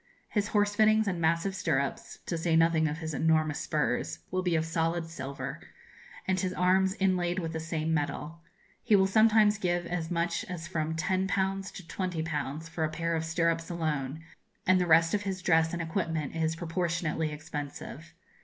His horse fittings and massive stirrups (to say nothing of his enormous spurs) will be of solid silver, and his arms inlaid with the same metal. He will sometimes give as much as from 10_l_. to 20_l_. for a pair of stirrups alone, and the rest of his dress and equipment is proportionately expensive.